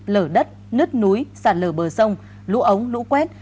lửa đất nứt núi sản lửa bờ sông lũ ống lũ quét